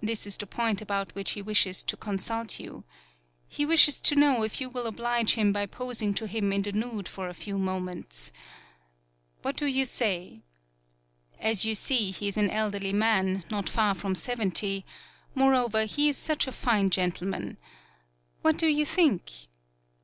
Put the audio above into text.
This is the point about which he wishes to consult you. He wishes to know if you will oblige him by posing to him in the nude for a few moments. What do you say? As you see, he is an elderly man, not far from seventy ; moreover, he is such a fine gen tleman. What do you think?"